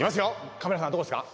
カメラさんどこですか？